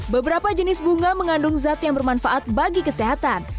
beberapa jenis bunga mengandung zat yang bermanfaat bagi kesehatan